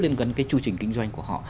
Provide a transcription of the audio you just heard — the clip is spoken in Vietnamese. liên quan cái chu trình kinh doanh của họ